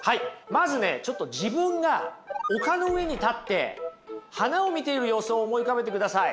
まずねちょっと自分が丘の上に立って花を見ている様子を思い浮かべてください。